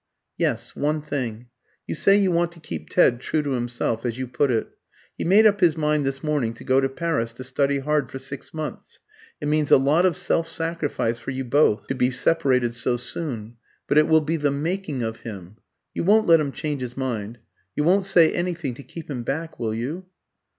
"Yes, one thing. You say you want to keep Ted true to himself, as you put it. He made up his mind this morning to go to Paris to study hard for six months. It means a lot of self sacrifice for you both, to be separated so soon; but it will be the making of him. You won't let him change his mind? You won't say anything to keep him back, will you?"